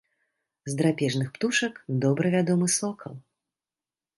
З драпежных птушак добра вядомы сокал.